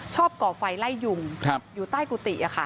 ชอบก่อไฟไล่ยุ่งครับอยู่ใต้กุฏิอะค่ะ